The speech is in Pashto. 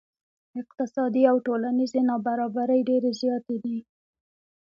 اقتصادي او ټولنیزې نا برابرۍ ډیرې زیاتې دي.